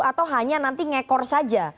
atau hanya nanti ngekor saja